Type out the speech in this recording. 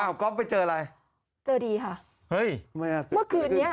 อ้าวก๊อฟไปเจออะไรเจอดีค่ะ